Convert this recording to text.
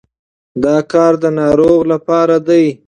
دا کار د ناروغ لپاره دی.